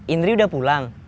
indri udah pulang